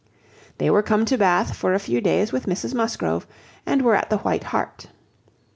They were come to Bath for a few days with Mrs Musgrove, and were at the White Hart.